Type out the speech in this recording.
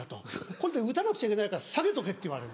これで打たなくちゃいけないから下げとけ」って言われる。